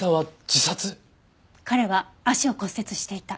彼は足を骨折していた。